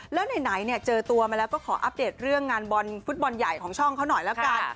แล้วไหนเนี่ยเจอตัวมาแล้วก็ขออัปเดตเรื่องงานบอลฟุตบอลใหญ่ของช่องเขาหน่อยแล้วกัน